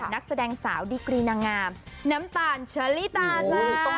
นักแสดงสาวดีกรีนางงามน้ำตาลเชอรี่ตาเลย